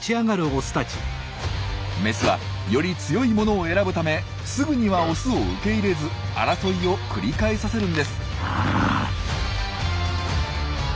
メスはより強いものを選ぶためすぐにはオスを受け入れず争いを繰り返させるんです。